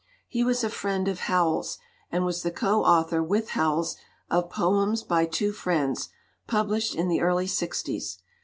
He was a friend of Howells, and was the co author with Howells of Poems by Two Friends, published in the early sixties.